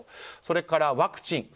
それからワクチン。